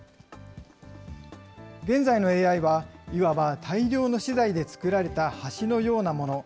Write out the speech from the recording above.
現在のＡＩはいわば大量の資材で作られた橋のようなもの。